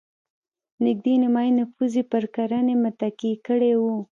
نږدې نیمايي نفوس یې پر کرنې متکي کړی و.